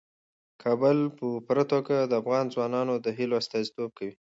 کابل په پوره توګه د افغان ځوانانو د هیلو استازیتوب کوي.